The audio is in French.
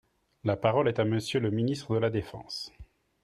La parole est à Monsieur le ministre de la défense.